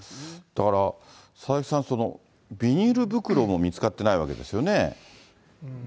だから佐々木さん、ビニール袋も見つかってないわけですよね。